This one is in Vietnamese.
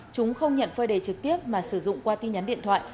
chúng không nhận phơi đề trực tiếp mà sử dụng qua tin nhắn điện thoại